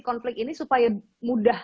konflik ini supaya mudah